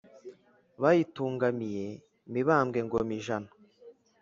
Bayitungamiye Mibambwengomijana